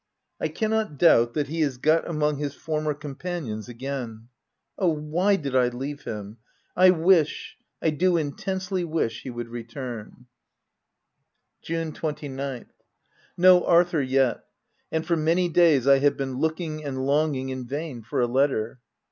I cannot doubt that he is got among his former companions again — Oh, why did I leave him ? I wish — I do intensely wish he would return j June 29th. — No Arthur yet ; and for many days I have been looking and longing in vain for a letter.